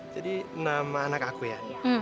jadi nama anak aku ya